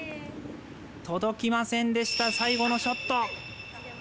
届きませんでした最後のショット。